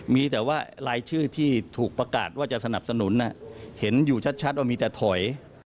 มีแต่ว่ารายชื่อที่ถูกประกาศว่าจะสนับสนุนเห็นอยู่ชัดว่ามีแต่ถอย